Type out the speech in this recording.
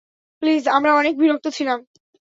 Please, আমরা অনেক বিরক্ত ছিলাম।